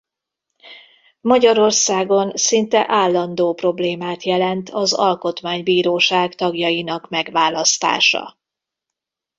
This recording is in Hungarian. Magyarországon szinte állandó problémát jelent az Alkotmánybíróság tagjainak megválasztása.